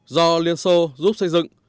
do liên xô giúp xây dựng